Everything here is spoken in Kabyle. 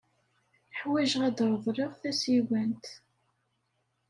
Ḥwajeɣ ad d-reḍleɣ tasiwant.